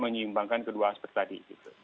menyimbangkan kedua aspek tadi